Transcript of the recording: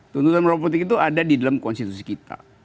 tuntutan moral politik itu ada di dalam konstitusi kita